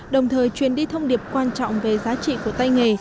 đồng thời truyền đi thông điệp quan trọng về giá trị của tay nghề